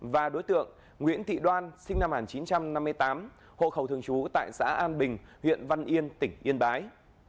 và đối tượng nguyễn thị đoan sinh năm một nghìn chín trăm năm mươi tám hộ khẩu thường trú tại xã an bình huyện văn yên tỉnh yên bái